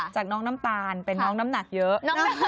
จากน้องน้ำตาลเป็นน้องน้ำหนักเยอะ